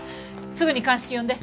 すぐに鑑識呼んで。